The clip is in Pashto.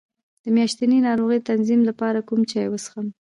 د میاشتنۍ ناروغۍ د تنظیم لپاره کوم چای وڅښم؟